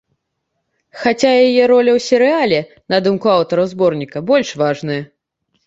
Хаця яе роля ў серыяле, на думку аўтараў зборніка, больш важная.